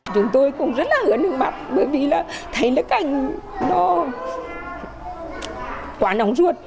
chúng tôi cũng rất là hứa nước mặt bởi vì là thấy cái cảnh nó quá nóng ruột